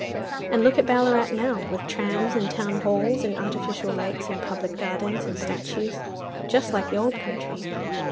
And look at Ballarat now, with trams, and town halls, and artificial lakes, and public gardens and statues—just like the old country.